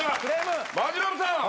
マヂラブさん